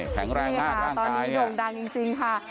แข็งแรงมากตอนนี้ดงดังจริงค่ะ